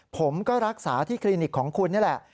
ผมก็รักษาที่คลินิกของคุณนี่แหละ